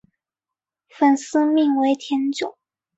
粉丝名为甜酒。